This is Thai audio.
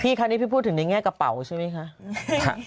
คราวนี้พี่พูดถึงในแง่กระเป๋าใช่ไหมคะ